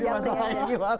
masalah ini banget